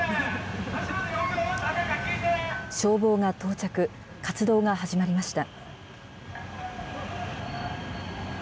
消防が到着、活動が始まりました。